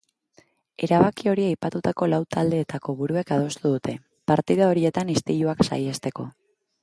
Erabaki hori aipatutako lau taldeetako buruek adostu dute, partida horietan istiluak saihesteko.